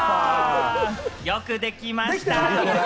よくできました。